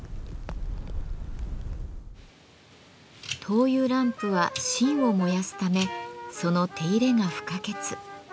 灯油ランプは芯を燃やすためその手入れが不可欠。